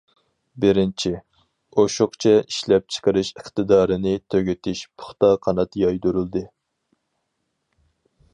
بىرىنچى، ئوشۇقچە ئىشلەپچىقىرىش ئىقتىدارىنى تۈگىتىش پۇختا قانات يايدۇرۇلدى.